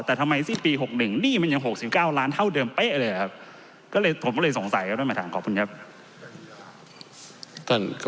แต่ทำไมสิปี๖๑หนี้มันยัง๖๙ล้านเท่าเดิมเฺ้ก็เลยผมเลยสงสัยครับด้วยประธานขอบคุณครับ